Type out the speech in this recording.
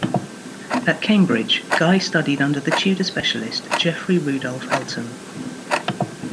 At Cambridge, Guy studied under the Tudor specialist Geoffrey Rudolph Elton.